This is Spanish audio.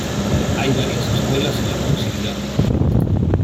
Hay varias escuelas en la proximidad.